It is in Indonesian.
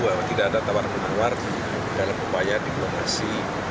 bahwa tidak ada tawar pawar dalam upaya dikomunikasi